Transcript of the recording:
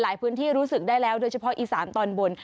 พื้นที่รู้สึกได้แล้วโดยเฉพาะอีสานตอนบน